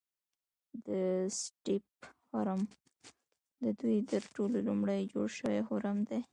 د سټیپ هرم ددوی تر ټولو لومړنی جوړ شوی هرم دی.